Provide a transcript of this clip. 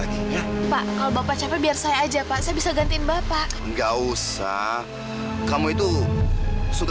eh pak mau takut tiba tiba sakit pak